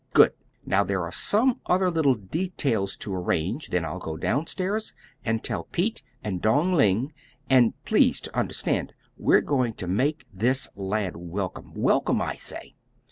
"Good! Now there are some other little details to arrange, then I'll go down stairs and tell Pete and Dong Ling. And, please to understand, we're going to make this lad welcome welcome, I say!"